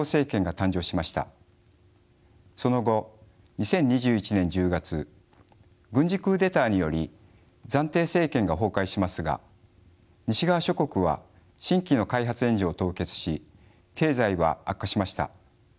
その後２０２１年１０月軍事クーデターにより暫定政権が崩壊しますが西側諸国は新規の開発援助を凍結し経済は悪化しました。